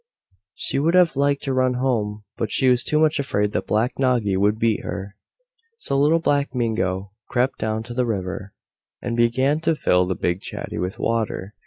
She would have liked to run home, but she was too much afraid that Black Noggy would beat her. So Little Black Mingo crept down to the river, and began to fill the big chatty with water.